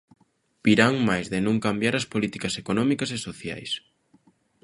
Virán mais de non cambiar as políticas económicas e sociais.